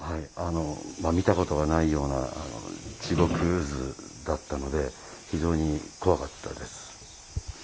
見たことがないような地獄図だったので、非常に怖かったです。